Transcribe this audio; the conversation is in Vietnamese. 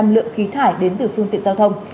lượng khí thải đến từ phương tiện giao thông